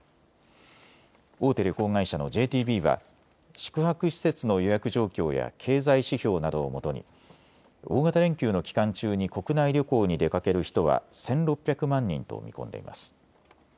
大手旅行会社のＪＴＢは宿泊施設の予約状況や経済指標などをもとに大型連休の期間中に国内旅行に出かける人は１６００万人と見込んでいます。